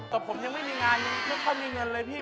แต่ผมยังไม่มีงานไม่มาใช้เงินเลยพี่